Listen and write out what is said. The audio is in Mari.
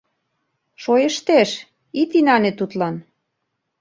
— Шойыштеш, ит инане тудлан.